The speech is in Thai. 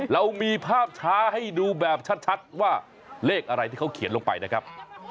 เรามีภาพช้าให้ดูแบบชัดว่าเลขอะไรที่เขาเขียนลงไปนะครับ